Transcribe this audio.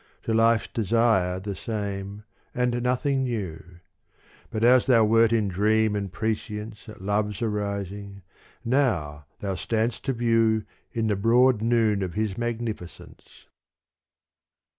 To life's desire the same, and nothing new : But as thou wert in dream and prescience At love's arising, now thou standst to view In the broad noon of his magnificence.